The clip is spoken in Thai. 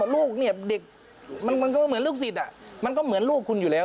ลูกเหมือนลูกสิทธิ์มันก็เหมือนลูกคุณอยู่แล้ว